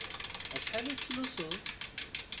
Acḥal i tettlusuḍ?